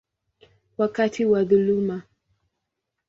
wakati wa dhuluma.